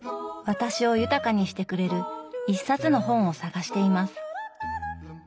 私を豊かにしてくれる一冊の本を探しています。